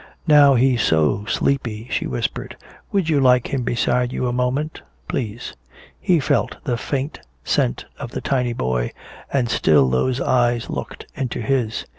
"Now he's so sleepy," she whispered. "Would you like him beside you a moment?" "Please." He felt the faint scent of the tiny boy, and still those eyes looked into his.